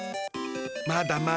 まだまだ。